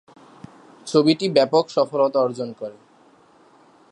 ছবিটি ব্যাপক সফলতা অর্জন করে।